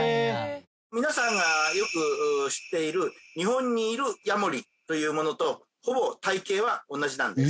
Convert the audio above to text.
皆さんがよく知っている日本にいるヤモリというものとほぼ体形は同じなんです。